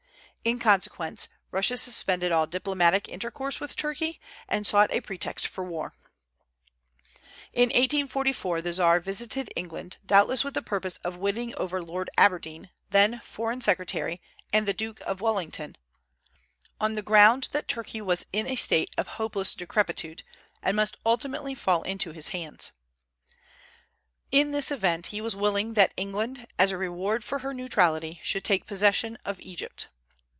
In consequence, Russia suspended all diplomatic intercourse with Turkey, and sought a pretext for war. In 1844 the Czar visited England, doubtless with the purpose of winning over Lord Aberdeen, then foreign secretary, and the Duke of Wellington, on the ground that Turkey was in a state of hopeless decrepitude, and must ultimately fall into his hands. In this event he was willing that England, as a reward for her neutrality, should take possession of Egypt.